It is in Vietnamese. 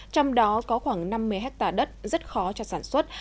trong đó có khoảng năm mươi hectare đất rất khó cho sản xuất